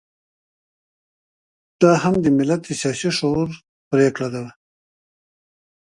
دا به هم د ملت د سياسي شعور پرېکړه وي.